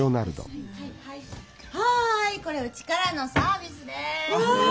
はいこれうちからのサービスです。わあ。